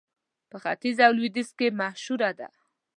په ختيځ او لوېديځ کې مشهوره ده.